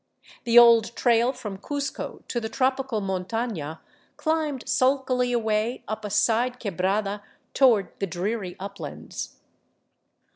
The old trail from Cuzco to the tropical montana climbed sulkily away up a side quebrada toward the dreary uplands.